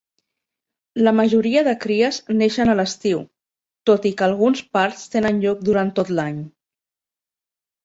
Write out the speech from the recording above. La majoria de cries neixen a l'estiu, tot i que alguns parts tenen lloc durant tot l'any.